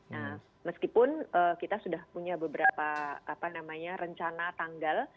nah meskipun kita sudah punya beberapa rencana tanggal